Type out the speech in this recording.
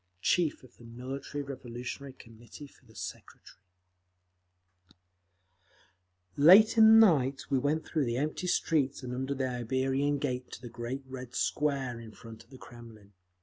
Chief of the Military Revolutionary Committee For the Secretary Late in the night we went through the empty streets and under the Iberian Gate to the great Red Square in front of the Kremlin.